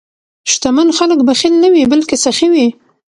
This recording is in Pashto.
شتمن خلک بخیل نه وي، بلکې سخي وي.